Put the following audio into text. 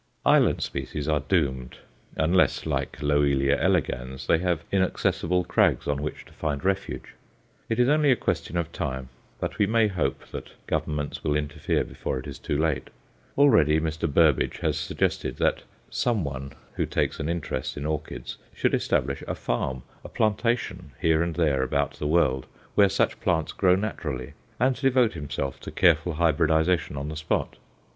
Island species are doomed, unless, like Loelia elegans, they have inaccessible crags on which to find refuge. It is only a question of time; but we may hope that Governments will interfere before it is too late. Already Mr. Burbidge has suggested that "some one" who takes an interest in orchids should establish a farm, a plantation, here and there about the world, where such plants grow naturally, and devote himself to careful hybridization on the spot.